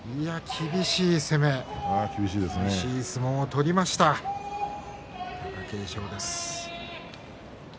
厳しい相撲を取りました貴景勝です。